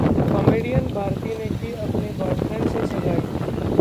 comedian Bharti ने की अपने ब्वॉयफ्रेंड से सगाई